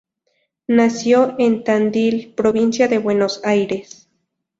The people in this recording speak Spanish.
Nació en Tandil, provincia de Buenos Aires.